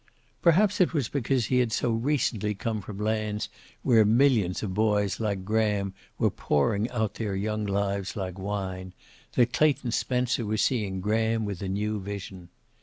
Perhaps it was because he had so recently come from lands where millions of boys like Graham were pouring out their young lives like wine, that Clayton Spencer was seeing Graham with a new vision.